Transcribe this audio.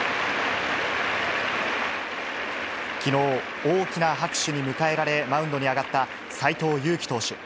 きのう、大きな拍手に迎えられ、マウンドに上がった斎藤佑樹投手。